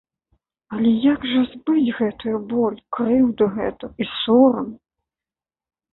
Але як жа збыць гэтую боль, крыўду гэту і сорам?